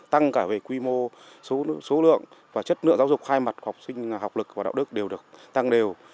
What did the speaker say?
tăng cả về quy mô số lượng và chất lượng giáo dục hai mặt học sinh học lực và đạo đức đều được tăng đều